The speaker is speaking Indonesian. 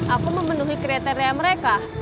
aku memenuhi kriteria mereka